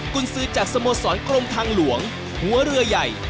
คุณซื้อจากสโมสรกรมทางหลวงหัวเรือใหญ่